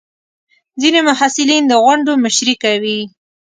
ځینې محصلین د غونډو مشري کوي.